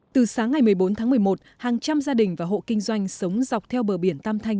từ sáng ngày một mươi bốn tháng một mươi một hàng trăm gia đình và hộ kinh doanh sống dọc theo bờ biển tam thanh